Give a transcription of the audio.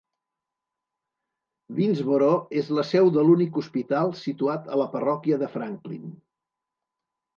Winnsboro és la seu de l'únic hospital situat a la parròquia de Franklin.